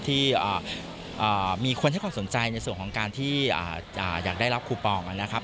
ที่มีคนให้ความสนใจในส่วนของการที่อยากได้รับคูปองนะครับ